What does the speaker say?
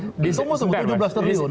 tunggu tunggu tujuh belas triliun